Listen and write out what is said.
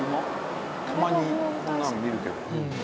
たまにこんなの見るけど。